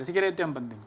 sekiranya itu yang penting